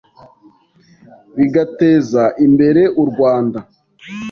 bigateza imbere u Rwanda.